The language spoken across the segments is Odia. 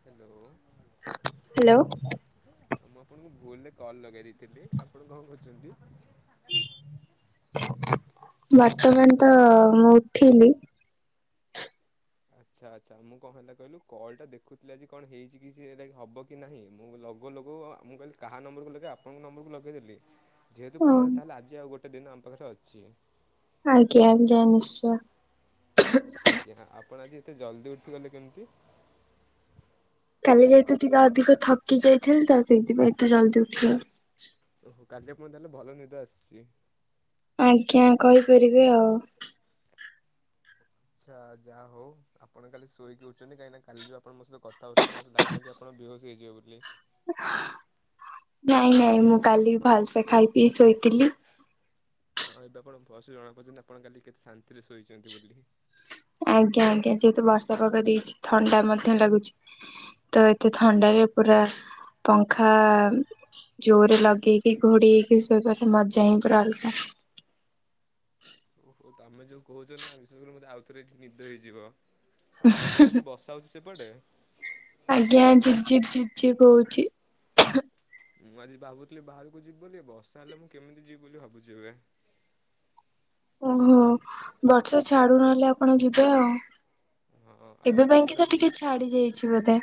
ହ୍ୟାଲୋ। ହ୍ୟାଲୋ ମୁଁ ଆପଣଙ୍କୁ ଭୁଲରେ କଲ ଲଗେଇ ଦେଇଥିଲି, ଆପଣ କଣ କରୁଛନ୍ତି? ବର୍ତ୍ତମାନ ତ ମୁଁ ଉଠିଲି ଆଚ୍ଛା ଆଚ୍ଛା ମୁଁ କଣ ହେଲା କହିଲୁ କଲ୍ଟା ଦେଖୁଥିଲା କି କଣ ହେଇଛି କିଛି ହବ। କି ନାହିଁ ମୁଁ ଲଗଉ ଲଗଉ ମୁଁ କହିଲି କାହା ନମ୍ବରକୁ ଲଗେଇବା ଆପଣଙ୍କ ନମ୍ବରକୁ ଲଗେଇଦେଲି। ଯେହେତୁ ଓ ପଳାଏ ତାହେଲେ ଆଜି ଆଉ ଗୋଟେ ଦିନ ଆମ ପାଖରେ ଅଛି। ଆଜ୍ଞା ଆଜ୍ଞା ନିଶ୍ଚୟ। ଆଜ୍ଞା ଆପଣ ଆଜି ଏତେ ଜଲ୍ଦି ଉଠିଗଲେ କେମିତି? କାଲି ଯେହେତୁ ଟିକେ ଅଧିକ ଥକି ଯାଇଥିଲି ତ ସେଇଥିପାଇଁ ଏତେ ଜଲ୍ଦି ଉଠିଗଲି। ଓହୋ କାଲି ଆପଣଙ୍କୁ ତାହେଲେ ଭଲ ନିଦ ଆସିଛି। ଆଜ୍ଞା କହିପାରିବି ଆଉ ଆଚ୍ଛା ଯାହା ହଉ ଆପଣ କାଲି ଶୋଇକି ଉଠୁଛନ୍ତି କାହିଁକି ନା କାଲି ଯଉ ଆପଣ ମୋ ସହ କଥାହୋଉଥିଲେ ମତେ ଲାଗୁଥିଲାକି ଆ ଆପଣ ବେହୋସ୍ ହେଇଯିବେ ବୋଲି ନାଇଁ ନାଇଁ ମୁଁ କାଲି ଭଲସେ ଖାଇ ପିଇ ଶୋଇଥିଲି। ହଁ ଏବେ ଆପଣ ଭଲସେ ଜଣାପଡ଼ିଛନ୍ତି ଯେ ଆପଣ କାଲି କେତେ ଶାନ୍ତିରେ ଶୋଇଛନ୍ତି ବୋଲି। ଆଜ୍ଞା ଆଜ୍ଞା ଯେହେତୁ ବର୍ଷା ପାଗ ଦେଇଛି ଥଣ୍ଡା ମଧ୍ୟ ଲାଗୁଛି। ତ ଏତେ ଥଣ୍ଡାରେ ପୁରା ପଙ୍ଖା ଜୋରରେ ଲଗେଇକି ଘୋଡେଇ ହେଇକି ଶୋଇବାର ମଜା ହିଁ ପୁରା ଅଲଗା। ଓହୋ ତମେ ଯୋଉ କହୁଛ ନା ବିଶେଷ କରି ମତେ ଆଉଥରେ ଏଠି ନିଦ ହେଇଯିବ। ଆଉ ତମର ଆଜି ବର୍ଷା ହଉଛି ସେପଟେ। ଆଜ୍ଞା ଝିପ୍ ଝିପ୍ ଝିପ ଝିପ୍ ହୋଉଛି। ମୁଁ ଆଜି ଭାବୁଥିଲି ବାହାରକୁ ଯିବି ବୋଲି ବର୍ଷା ହେଲେ ମୁଁ କେମିତି ଯିବି ବୋଲି ଭାବୁଛି ଏବେ। ଓହୋ ବର୍ଷା ଛାଡୁ ନହେଲେ ଆପଣ ଯିବେ ଆଉ ହଁ ଆଉ ଏବେ ତମର ପାଇଁକି ତ ଆଜି କିଛି ଟିକେ ଛାଡି ଯାଇଛି ବୋଧେ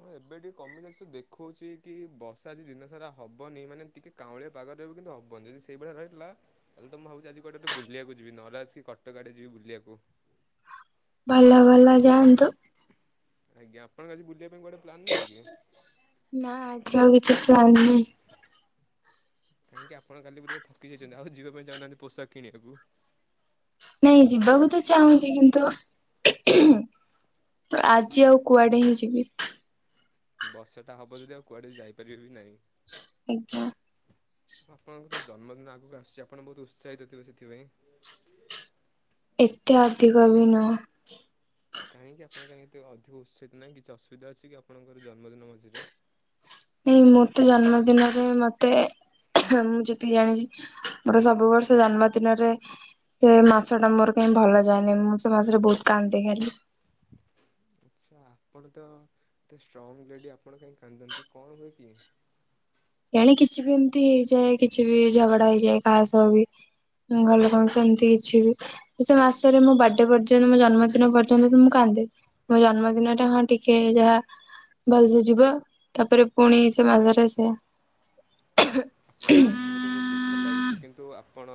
ହଁ ଏବେ ଟିକେ କମି ଯାଇଚି ସୋ ଦେଖଉଛି କି ବର୍ଷା ଆଜି ଦିନ ସାରା ହବନି ମାନେ ଟିକେ। କାଉଁଳିଆ ପାଗରେଏବେ କିନ୍ତୁ ହବନ ଯଦି ସେଇଭଳିଆ ରହିଲଥିଲା। ତାହେଲେ ତ ମୁ ଭାବୁଛି ଆଜି କୁଆଡେ ଗୋଟେ ବୁଲିବାକୁ ଯିଵୀ ନହେଲେ ଆସିକି କଟକ ଆଡେ ଯିବି ବୁଲିବାକୁ। ଭଲ ଭଲ ଯାଆନ୍ତୁ। ଆଜ୍ଞା ଆପଣ ଙ୍କ ଆଜି ବୁଲିବା ପାଇଁ କୁଆଡେ ପ୍ଳାନ୍ ନାହିଁ କି? ନାଁ ଆଜି ଆଉ କିଛି ପ୍ଲାନ ନାହିଁ। କାହିଁକି ଆପଣ କାଲି ବୋଧେ ଥକି ଯାଇଛନ୍ତି ଆଉ ଯିବା ପାଇଁ ଚାହୁନାହାନ୍ତି ପୋଷାକ କିଣିବାକୁ। ନାଇଁ ଯିବାକୁ ତ ଚାହୁଁଛି କିନ୍ତୁ [unintelligible] ଆଜି ଆଉ କୁଆଡେ ହିଁ ଯିବି। ବର୍ଷାଟା ହବ ଯଦି ଆଉ କୁଆଡେ ବି ଯାଇପାରିବେ ବି ନାହିଁ। ଆଜ୍ଞା। ଆପଣଙ୍କ ତ ଜନ୍ମଦିନ ଆଗକୁ ଆସୁଚି ଆପଣ ବହୁତ ଉତ୍ସାହିତ ଥିବେ ସେଥିପାଇଁ ଏତେ ଅଧିକ ବି ନୁହଁ। କାହିଁକି ଆପଣ କାଇଁ ଏତେ ଅଧିକ ଉତ୍ସାହିତ ନାହିଁ କିଛି ଅସୁବିଧା ଅଛି ଆପଣଙ୍କର ଜନ୍ମଦିନ ମଝିରେ ଏ ମୋ ତେ ଜନ୍ମଦିନରେ ମତେ। ମୁଁ ଯେତିକି ଜାଣିଚି ମୋର ସବୁ ବର୍ଷ ଜନ୍ମଦିନରେ ସେ ମାସ ଟା ମୋର କାହିଁ ଭଲ ଯାଏନି ମୁଁ ସେ ମାସରେ ବହୁତ କାନ୍ଦେ ଖାଲି। ଆଚ୍ଛା ଆପଣ ତ ଏତେ ଷ୍ଟ୍ରଙ୍ଗ୍ ଲେଡ଼ି ଆପଣ କାହିଁ କାନ୍ଦନ୍ତି କଣ ହୁଏ କି? ଏଣେ କିଛି ବି ଏମିତି ହେଇଯାଏ କିଛି ବି ଝଗଡା ହେଇଯାଏ କାହା ସହ ବି ଘରଲୋକ ଙ୍କ ସହ ଏମିତି କିଛି ବି। ସେ ମାସରେ ମୋ ବାର୍ଥଡେ ପର୍ଯ୍ୟନ୍ତ ମୋ ଜନ୍ମଦିନ ପର୍ଯ୍ୟନ୍ତ ବି ମୁଁ କାନ୍ଦେ। ମୋ ଜନ୍ମଦିନଟା ହଁ ଟିକେ ଯାହା ଭଲସେ ଯିବ ତାପରେ ପୁଣି ସେ ମାଝରେ ଆସ ସେ ଆପଣଙ୍କ କଥା ଶୁଣି ମତେ ବହୁ ଦୁ ଖ ଲାଗୁଛି କିନ୍ତୁ ଆପଣ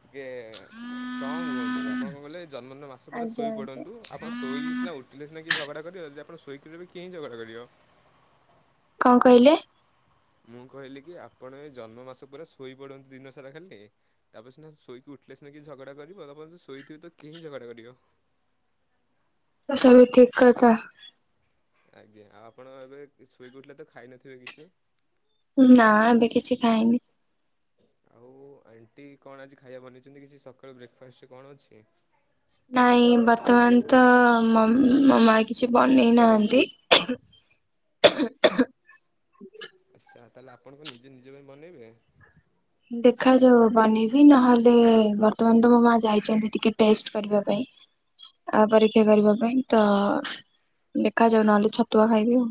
ଟିକେ ଷ୍ଟ୍ରଙ୍ଗ୍ ହୁଅନ୍ତୁ ଆପଣ କ କଲେ ଜନ୍ମ ଦିନ ବା [unintelligible] ପରେ ଆଜ୍ଞା ଶୋଇ ଆଜ୍ଞା। ପଡ଼ନ୍ତୁ ଶୋଇ ପଡନ୍ତୁ ଆପଣ ଶୋଇ ସିନା ଉଠିଲେ ସିନା କିଏ ଝଗଡ଼ା କରିବ ଯଦି ଆପଣ ଶୋଇକି ରହିବେ କିଏ ହିଁ ଝଗଡ଼ା କରିବ। କଣ କହିଲେ। ମୁଁ କହିଲି କି ଆପଣ ଏ ଜନ୍ମ ମାସ ପୁରା ଶୋଇପଡ଼ନ୍ତୁ ଦିନ ସାରା ଖାଲି ତାପରେ ସିନା ଶୋଇକୁ ଉଠିଲେ ସିନା କି ଝଗଡ଼ା କରିବ ତାପରେ ଶୋଇଥିବେ ତ କେହିଁ ଝଗଡ଼ା କରିବ। ତ ତଥାପି ଠିକ୍ କଥା। ଆଜ୍ଞା ଆଉ ଆପଣ ଏବେ ଶୋଇକି ଉଠିଲେ ତ ଖାଇନଥିବେ କିଛି। ନାଁ ଏବେ କିଛି ଖାଇନି। ଆଉ ଆଣ୍ଟି କଣ ଆଜି ଖାଇବା ବନେଇଛନ୍ତି କିଛି ସକାଳୁ ବ୍ରେକ ଫାଷ୍ଟରେ କଣ ଅଛି? ନାଇଁ ବର୍ତ୍ତମାନ ତ ମମ୍ ମୋ ମା କିଛି ବନେଇ ନାହାନ୍ତି। [unintelligible] ଆଚ୍ଛା ତାହେଲେ ଆପଣଙ୍କ କଣ ନିଜେ ନିଜ ପାଇଁ ବନେଇବେ। ଦେଖାଯାଉ ବନେଇବି ନହେଲେ ବର୍ତ୍ତମାନ ତ ମୋ ମା ଯାଇଛନ୍ତି ଟିକେ ଟେଷ୍ଟ କରିବା ପାଇଁ। ଆ ପରେ କିଏ କରିବ ପାଇଁ ତ ଦେଖାଯାଉ ନହେଲେ ଛତୁଆ ଖାଇବି ଆଉ।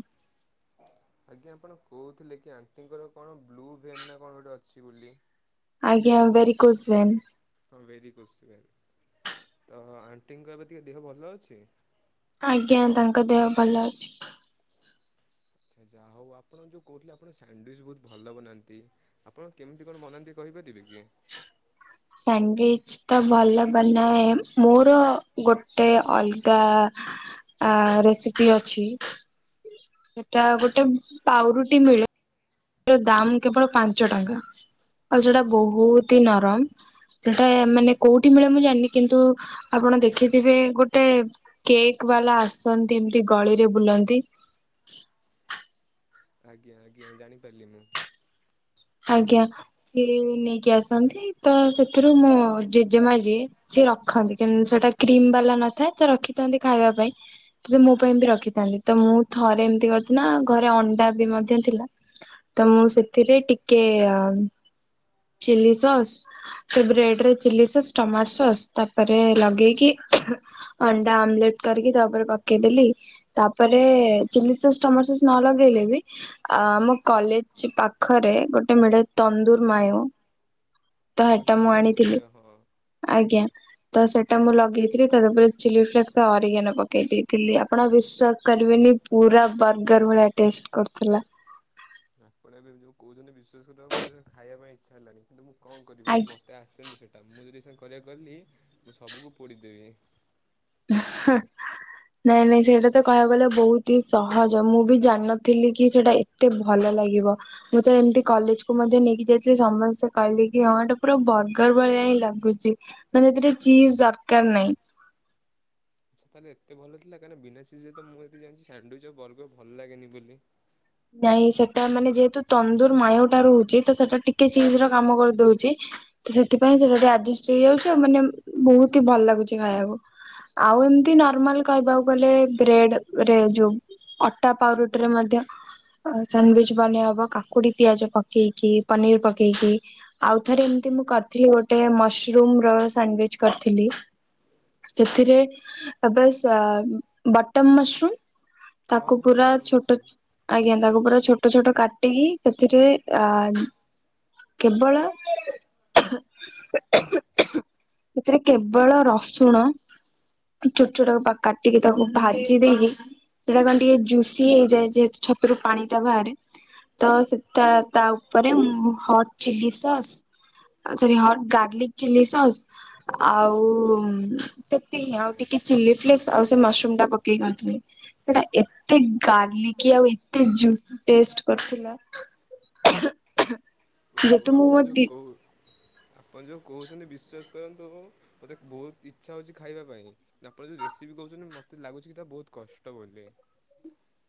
ଆଜ୍ଞା ଆପଣ କହୁଥିଲେ କି ଆଣ୍ଟିଙ୍କର କଣ ବ୍ଲୁ ଭେନ୍ ନାଁ କଣ ଗୋଟେ ଅଛି ବୋଲି। [inaudible] ଆଜ୍ଞା ଭେରି କୋସଁ ଭେନ୍। ହଁ ଭେରି କୋସ୍ ଭେନ ତ ଆଣ୍ଟିଙ୍କ ଏବେ ଟିକେ ଦେହ ଭଲ ଅଛି। ଆଜ୍ଞା ତାଙ୍କ ଦେହ ଭଲ ଅଛି। ଆଚ୍ଛା ଆଚ୍ଛା ଆଉ ଆପଣ ଯୋଉଁ କହୁଥିଲେ ଆପଣ ସାଣ୍ଡୁୱେଜ ବହୁତ ଭଲ ବନାନ୍ତି। ଆପଣ କେମିତି କଣ ବନାନ୍ତି କହିପାରିବେ କି? ସାଣ୍ଡୁ୍ୱେଜ ତ ଭଲ ବନାଏ ମୋର ଗୋଟେ ଅଲଗା ଆ ରେସିପି ଅଛି ସେଟା ଗୋଟେ ପାଉଁରୁଟି ମିଳେ। ର ଦାମ କେବଳ ପାଞ୍ଚ ଟଙ୍କା ଆଉ ଯଉଁଟା ଆଜ୍ଞା ବହୁତୀ ନରମ। ସେଟା ମାନେ କୋଉଁଠି ମିଳେ ମୁଁ ଜାଣିନି କିନ୍ତୁ ଆପଣ ଦେଖିଥିବେ ଗୋଟେ କେକ୍ ବାଲା ଆସନ୍ତି ଏମିତି ଗଳିରେ ବୁଲନ୍ତି। ଆଜ୍ଞା ଆଜ୍ଞା ଜାଣିପାରିଲି ମୁଁ। ଆଜ୍ଞା ସିଏ ନେଇକି ଆସନ୍ତି ତ ସେଥିରୁ ମୋ ଜେଜେମା ଯିଏ। ସିଏ ରଖନ୍ତି କିନ୍ତୁ ସେଟା କ୍ରିମ୍ ବାଲା ନଥାଏ ତ ରଖିଥାନ୍ତି ଖାଇବା ପାଇଁ। ସେ ମୋ ପାଇଁ ବି ରଖିଥାନ୍ତି ତ ମୁଁ ଥରେ ଏମିତି କରିିକିନା ଘରେ ଅଣ୍ଡା ବି ମଧ୍ୟ ଥିଲା। ତ ମୁଁ ସେଥିରେ ଟିକେ ଚିଲ୍ଲି ସକ୍ସ। ସେ ବ୍ରେଡ ରେ ଚିଲ୍ଲି ସକ୍ସ ଟମାଟୋ ସକ୍ସ ତାଉପରେ ଲଗେଇକି ଅଣ୍ଡା ଆମ୍ବେଲଟ କରିକି ତାଉପରେ ପକେଇଦେଲି। ତାଉପରେ ଚିଲ୍ଳି ସକ୍ସ ଟମାଟୋ ସକ୍ସ ନ ଲଗେଇଲେ ବି ଆଉ ଆମ କଲେଜ ପାଖରେ ଗୋଟେ ମିଳେ ତନ୍ଦୁର ମାୟୋ ତ ହଁ ହେଟା ମୁଁ ତନ୍ଦୁରୀ ମେ ଆଣିଥିଲି ହଁ। ଆଜ୍ଞା। ତ ସେଇଟା ମୁଁ ଲଗେଇଥିଲି ତାଉପରେ ଚିଲ୍ଳି ଫ୍ଲେକ୍ସ ଅରିିଗାନୋ ପକେଇ ଦେଇଥିଲି ଆପଣ ବିଶ୍ଵାସ କରିବେନି ପୁରା ବର୍ଗର ଭଳିଆ ଟେଷ୍ଟ କରୁଥୁଲା। ଆପଣ ଏବେ ଯୋଉଁ କହୁଛନ୍ତି ବିଶ୍ୱାସ ଟାକୁ ମୋତେ ଯାଇଁ ଖାଇବା ପାଇଁ ଇଚ୍ଛା ହେଲାଣି କିନ୍ତୁ ମୁଁ କଣ କରିପାରିବି ଆଜ୍ଞା। ମୋତେ ଆସେନି ସେଟା ମୁଁ ଯଦି ଏଇକ୍ଷିଣା କରିବାକୁ ଗଲି ମୁଁ ସବୁକୁ ପୋଡିଦେବି। ସଁହାଁ। ନାଇଁ ନାଇଁ ସେଇଟା ତ କହିବାକୁ ଗଲେ ବହୁତି ସହଜ ମୁଁ ବି ଜାଣିନଥିଲି କି ସେଇଟା ଏତେ ଏତେ ଭଲ ଲାଗିବ। ମୁଁ ଯେ ଏମିତି କଲେଜ କୁ ମଧ୍ୟ ନେଇକି ଯାଇଥିଲି ସମସ୍ତେ କହିଲେ କି ହଁ ଏଟା ପୁରା ବର୍ଗର ଭଳିଆ ହିଁ ଲାଗୁଚି। ମାନେ ସେଥିରେ ଚୀଜ ଦରକାର ନାଇଁ। ଆଚ୍ଛା ତାହେଲେ ଏତେ ଭଲ ଥିଲା କାହିଁକି ନାଁ ବିନା ଚୀଜରେ ତ ମୁଁ ଏତିକି ଜାଣିଛି ସାଣ୍ଡୁୱେଜ ର ବର୍ଗର ଭଲ ଲାଗେନି ବୋଲି। ନାଇଁ ସେଟା ମାନେ ଯେହେତୁ ତନ୍ଦୁର ମାୟୋ ଟା ରହୁଛି ତ ସେଟା ଟିକେ ଚୀଜ ର କାମ କରିଦଉଛି। ତ ସେଥିପାଇଁ ସେଟା ଟିକେ ଆଜେଷ୍ଟ ହେଇଯାଉଛି ଆଉ ମାନେ ବହୁତ ହିଁ ଭଲ ଲାଗୁଛି ଖାଇବାକୁ। ଆଉ ଏମିତି ନର୍ମାଲ କହିବାକୁ ଗଲେ ବ୍ରେଡ ରେ ଯୋଉଁ। ଅଟା ପାଉଁରୁଟିରେ ମଧ୍ୟ। ଆଉ ସାଣ୍ଡୁୱେଜ ବନେଇ ହବ କାକୁଡି ପିଆଜ ପକେଇକି ପନିର ପକେଇକି। ଆଉଥରେ ଏମିତି ମୁଁ କରିଥିଲି ଗୋଟେ ମସରୁମ ର ସାଣ୍ଡୱିଚ କରିଥିଲି ସେଥିରେ ବସ୍ ବଟର ମସରୁମ ହଁ ତାକୁ ହଁ ପୁରା ବଟର୍ ଛୋଟ ମସରୁମ୍ ଆଜ୍ଞା ତାକୁ ପୁରା ଛୋଟ ଛୋଟ କାଟିକି ସେଥିରେ ଅ କେବଳ ଏଥିରେ କେବଳ ରସୁଣ ଛୋଟ ଛୋଟାକୁ କାଟିକି ତାକୁ ଭାଜି ଦେଇକି ସେଇଟା କଣ ଟିକେ ଜୁସି ହେଇଯାଏ ଯେହେତୁ ଛତୁରୁ ପାଣି ଟା ବାହାରେ ତ ସେ ତା ଉପରେ ମୁଁ ହଟ୍ ଚିଲି ସସ୍ ଆଉ ସେଥିରେ ହଟ ଗାର୍ଲିକ ଚିଲ୍ଲି ସସ୍ ଆଉ ସେତିକି ଆଉ ଟିକେ ଚିଲି ଫ୍ଲେଶ୍ ଆଉ ସେ ମାସରୁମ ଟା ପକେଇ କରିଥିଲି ସେଇଟା ଏତେ ଗାର୍ଲିକି ଆଉ ଏ ଏତେ ଜୁସ୍ ଟେଷ୍ଟ କରିଥିଲା ହଉ ଯେହେତୁ ମୁଁ ଆପଣ ମୋ ଯେଉଁ ଦି କହୁ ଆପଣ ଯେଉଁ କହୁଛନ୍ତି ବିଶ୍ୱାସ କରନ୍ତୁଉ ମୋତେ ବହୁତ ଇଚ୍ଛା ହଉଛି ଖାଇବା ପାଇଁ ତାପରେ ଯେଉଁ ରେସିପି କହୁଛନ୍ତି ମୋତେ ଲାଗୁଛି କି ତା ବହୁତ କଷ୍ଟ ବୋଲି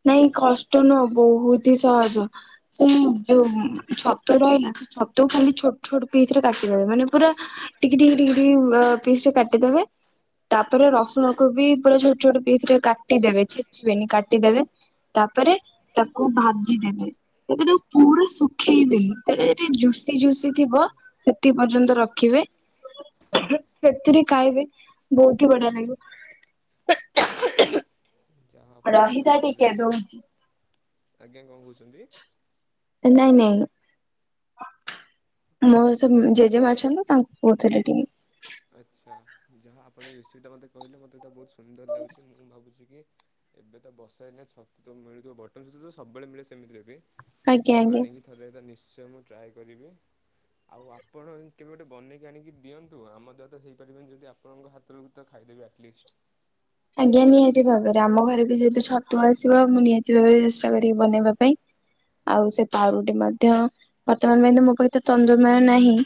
ନାଇଁ କଷ୍ଟ ନୁହଁ ବହୁତ ହି ସହଜ ସେଇ ଯୋଉ ଛତୁ ରହିଲା ସେ ଛତୁ କୁ ଖାଲି ଛୋଟ ଛୋଟ ପିସ ରେ କାଟିଦେବେ ମାନେ ପୁରା ଟିକେ ଟିକେ ଟିକେ ଟିକେ ପିସ୍ ରେ କାଟିଦେବେ ତାପରେ ରସୁଣ କୁ ବି ପୁରା ଛୋଟ ଛୋଟ ପିସ୍ ରେେ କାଟିଦେବେ ଛେଚିବେନି କାଟିଦେବେ ତାପରେ ତାକୁ ଭାଜି ଦେବେ ଏବେ ତ ପୁରା ଶୁଖେଇବି ତା ଟିକେ ଜୁସି ଯୁସି ଥିବ ସେତିକି ପର୍ଯ୍ୟନ୍ତ ରଖିବେ ସେଥିରେ ଖାଇବେ ବହୁତ ହି ବଢିଆ ଲାଗିବ [inaudible] ହଁ ଆପଣ ତ ଏକ ରହିଥା ଭଲ ଟିକେ ଡ୍ରେସ, ଦଉଛି। ଆଜ୍ଞା କଣ କହୁଛନ୍ତି। ନାଇଁ ନାଇଁ ମୋ ସେ ଜେଜେମା ଅଛନ୍ତି ତାଙ୍କୁ କହୁଥିଲି ଟିକେ ଆଚ୍ଛା ଯାହା ଆପଣ ରେସିପି ଟା ମୋତେ କହିଲେ ମୋତେ ଏଇଟା ବହୁତ ସୁନ୍ଦର ଲାଗୁଛି ମୁଁ ଭାବୁଛି କି ଏବେ ତ ବର୍ଷାଦିନେ ଛତୁ ତ ମିଳୁଥିବ ବଟନ୍ ଛୁତୁଥିବ ସବୁବେଳେ ମିଳେ ସେମିତିରେ ବି ଆଜ୍ଞା ତ ଆଜ୍ଞା। ଆଣିକି ଥରେ ଏଟା ନିଶ୍ଚୟ ମୁଁ ଟ୍ରାଏ କରିବି ଆଉ ଆପଣ କେବେ ଗୋଟେ ବନେଇକି ଆଣିକି ଦିଅନ୍ତୁ ଆମର ତ ହେଇପାରିବନି ଯଦି ଆପଣଙ୍କ ହାତରୁ ତ ଖାଇଦେବେ ଆଟ୍ଲିଷ୍ଟ ଆଜ୍ଞା ନିହାତି ଭାବରେ ଆମ ଘରେ ବି ଯେହେତୁ ଛତୁ ଆସିବ ମୁଁ ନିହାତି ଭାବରେ ଚେଷ୍ଟା କରିବି ବନେଇବା ପାଇଁ ଆଉ ସେ ପାଉରୁଟି ମଧ୍ୟ ବର୍ତ୍ତମାନ ପାଇଁ ତ ମୋ ପାଖରେ ତ ତନ୍ଦୁରମୟ ନାହିଁ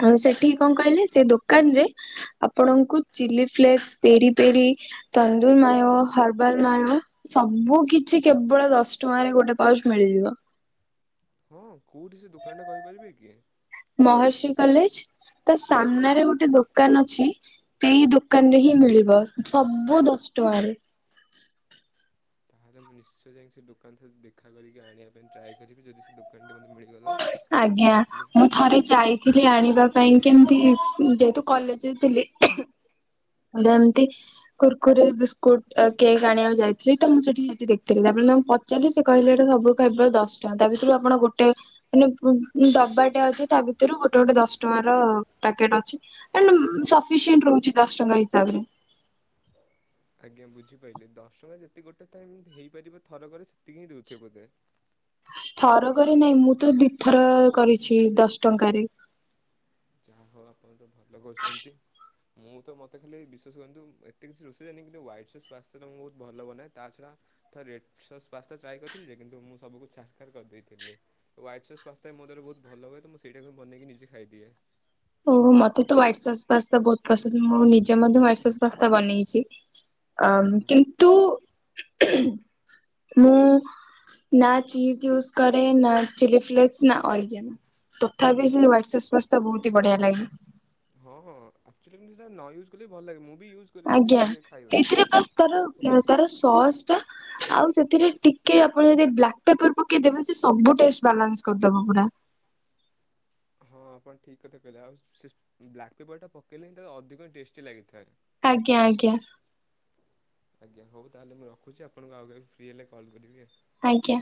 ଆଉ ସେଠିକି କଣ କହିଲେ ସେ ଦୋକାନ ରେ ଆପଣଙ୍କୁ chilli flakes peri peri tandoor ମଧ୍ୟଉ ହର୍ବଲ ମାଉ ସବୁ କିଛି କେବଳ ଦଶ ଟଙ୍କାରେ ଗୋଟେ ପାଉଚ ମିଳିଯିବ ହଁ କୋଉଠି ସେ ଦୋକାନଟା କହିପାରିବେ କି ମହର୍ଷି କଲେଜ ତା ଆଜ୍ଞା ସାମ୍ନାରେ ଗୋଟେ ଦୋକ ଦୋକାନ ଅଛି ସେଇ ଦୋକାନ ରେ ହିଁ ମିଳିବ ସବୁ ଦଶ ଟଙ୍କାରେ ତାହେଲେ ମୁଁ ନିଶ୍ଚୟ ଯାଇକ ସେ ଦୋକାନ ଦେଖା କରିକି ଆଣିବା ପାଇଁ ଟ୍ରାଏ କରିବି ଯଦି ସେ ଦୋକାନ ଟି ମୋତେ ମିଳିଗିବ ଆଜ୍ଞା ମୁଁ ଥରେ ଯାଇ ଥିଲି ଆଣିବା ପାଇଁ କେମିତି ଯେହେତୁ କଲେଜରେ ଥିଲି। ଯେମିତି କୁର୍କୁରି, ବିସ୍କୁଟ, କେକ୍ ଆଣିବାକୁ ଯାଇଥିଲି ତ ମୁଁ ସେଠି ସେଠି ଦେଥିଲି ତାପ ଚାଲ ସେ କହିଲେ ଏଟା ସବୁ ଖାଇବ ଦଶ ଟଙ୍କା ତା ଭିତରୁ ଆପଣ ଗୋଟେ ମାନେ ଦବାଟେ ଅଛି ତା ଭିତରୁ ଗୋଟେ ଗୋଟେ ଦଶ ଟଙ୍କା ର ପ୍ୟାକେଟ ଅଛି। ସଫିସିଏଣ୍ଟ ରହୁଛି ଦଶ ଟଙ୍କା ହିସାବରେ। ଆଜ୍ଞା ବୁଝିପାରିଲେ ଦଶ ଟଙ୍କା ଯେତେ ଗୋଟେ ତ ଏମତି ହେଇପାରିବ ଥରକରେ ସେତିକି ହିଁ ଦେଉଥିବ ବୋଧେ। ଥର କରି ନାହିଁ ମୁଁ ତ ଦିଥର କରିଛି ଦଶ ଟଙ୍କାରେ। ଯା ହଉ ଆପଣ ତ ଭଲ କରୁଛନ୍ତି। ମୁଁ ତ ମୋତେ ଖାଲି ବିଶ୍ୱାସ କରନ୍ତୁ ଏତେ କିଛି ରୋଷେଇରେନି କିନ୍ତୁ ହ୍ୱାଇଟ୍ ସସ୍ ପାସ୍ତା ରେ ମୁଁ ବହୁତ ଭଲ ବନାଏ ତା ଛଡ଼ା ତ ରେଡ୍ ସସ୍ ପାସ୍ତା ଟ୍ରାଏ କରିଥିଲି ଯେ କିନ୍ତୁ ମୁଁ ସବୁକୁ ଛାର ଖାର କରିଦେଇଥିଲି। ଓ ୱାଇଟ ସସ୍ ପାସ୍ତା ମୋ ଦ୍ବାରା ବହୁତ ଭଲ ହୁଏ ମୁଁ ସେଇଟାକୁ ବନେଇି ନିଜେ ଖାଇଦିଏ। ଓୋ ମତେ ତ ୱାଇଟ ସସ୍ ପାସ୍ତା ବହୁତ ପସନ୍ଦ ମୁଁ ନିଜେ ମଧ୍ୟ ୱାଇଟ ସସ୍ ପାସ୍ତା ବନେଇଛି। ଆ କିନ୍ତୁ ମୁଁ ନା ଚିଜ ୟୁଜ କରେ ନା ଚିଲି ଫ୍ଲେକ୍ସ। ନା ଅଜ୍ଞାନ ତଥାପି ନା ସେ ହାଇଟସ୍ସ୍ ବହୁତ ହି ବଢିଆ ଲାଗେ। ହଁ ହଁଚ ନ ୟୁଜ୍ କଲେ ବି ଭଲ ଲାଗେ ମୁଁ ବି ୟୁଜ୍ କନି ସେ ଆଜ୍ଞା। ଇଏ ଖାଇବାରେ। ସେଇଥିରେ ବାସ୍ ତାର ତାର ସସ୍ ଟା ଆଉ ସେଥିରେ ଟିକେ ଆପଣ ଯଦି ବ୍ଲାକ୍ ପେପର ପକେଇଦବେ ସେ ସବୁ ଟେଷ୍ଟ ବାଲାନ୍ସ କରିଦବ ପୁରା। ହଁ ଆପଣ ଠିକ୍ କଥା କହିଲେ ଆଉ ସେ ବ୍ଲାକ୍ ବି ପେପର ଟା ପକେଇଲେ ହିଁ ତାକୁ ଅଧିକ ଟେଷ୍ଟ ଲାଗିଥାଏ। ଆଜ୍ଞା ଆଜ୍ଞା। ଆଜ୍ଞା ହଉ ତାହେଲେ ମୁଁ ରଖୁଛି ଆପଣଙ୍କୁ ଆଉ କୋକୁ ଫ୍ରି ହେଲେ କଲ୍ କରିବି ଆଉ। ଆଜ୍ଞା।